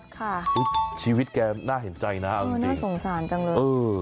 ชีวิตแกน่าเห็นใจนะเออน่าสงสารจังเลยเออ